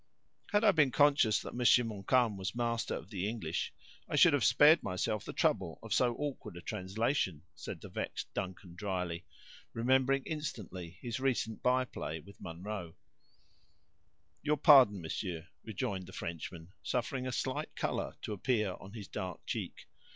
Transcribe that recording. "Had I been conscious that Monsieur Montcalm was master of the English, I should have spared myself the trouble of so awkward a translation," said the vexed Duncan, dryly; remembering instantly his recent by play with Munro. "Your pardon, monsieur," rejoined the Frenchman, suffering a slight color to appear on his dark cheek.